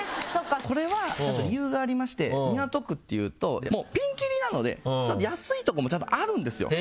これは理由がありまして港区っていうともうピンキリなので安いところもちゃんとあるんですよ。